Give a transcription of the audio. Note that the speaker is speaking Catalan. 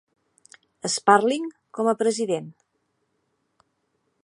Sparling com a president.